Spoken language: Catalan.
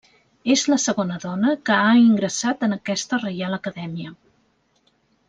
És la segona dona que ha ingressat en aquesta Reial Acadèmia.